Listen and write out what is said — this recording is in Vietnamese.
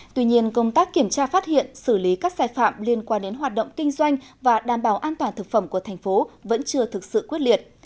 tuy nhiên công tác kiểm tra phát hiện xử lý các sai phạm liên quan đến hoạt động kinh doanh và đảm bảo an toàn thực phẩm của thành phố vẫn chưa thực sự quyết liệt